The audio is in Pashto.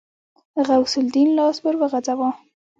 غوث الدين لاس ور وغځاوه.